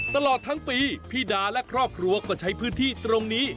ตลอดทั้งปีพี่ดาและครอบครัวก็ใช้พื้นที่ตรงนี้